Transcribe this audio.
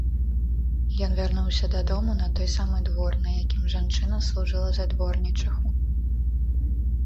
Ён вярнуўся дадому, на той самы двор, на якім жанчына служыла за дворнічыху.